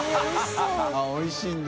あっおいしいんだ。